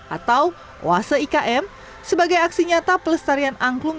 atau oase ikm sebagai aksi nyata pelestarian angklung